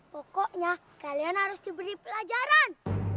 pokoknya kalian harus diberi pelajaran